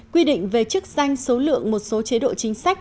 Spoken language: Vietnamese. quy định về chức danh số lượng một số chế độ chính sách